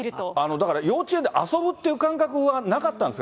だから幼稚園で遊ぶっていう感覚はなかったんですか？